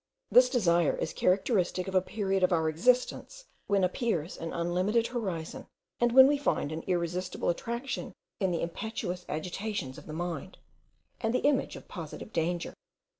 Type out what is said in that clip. This desire is characteristic of a period of our existence when appears an unlimited horizon, and when we find an irresistible attraction in the impetuous agitations of the mind, and the image of positive danger.